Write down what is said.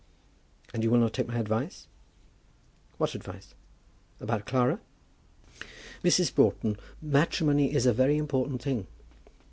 "And you will not take my advice?" "What advice?" "About Clara?" "Mrs. Broughton, matrimony is a very important thing."